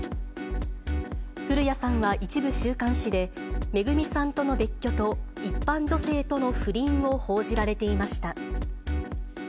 降谷さんは一部週刊誌で、ＭＥＧＵＭＩさんとの別居と一般女性との不倫を報じられていました。